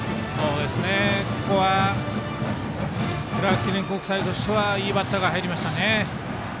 ここはクラーク記念国際としてはいいバッターが入りましたね。